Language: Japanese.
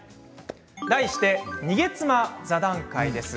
題して逃げ妻座談会です。